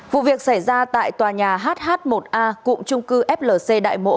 vụ việc xảy ra tại tòa nhà hh một a cụm trung cư flc đại mỗ